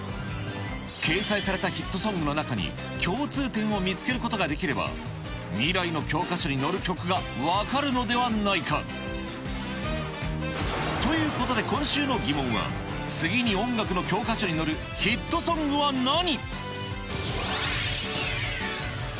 掲載されたヒットソングの中に、共通点を見つけることができれば、未来の教科書に載る曲が分かるのではないか。ということで、今週の疑問は、次に音楽の教科書に載るヒットソングは何？